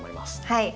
はい。